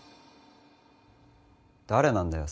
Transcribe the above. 誰なんだよ？